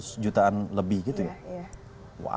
kayaknya sampai seratus jutaan lebih gitu ya iya